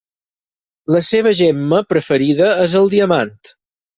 La seva gemma preferida és el diamant.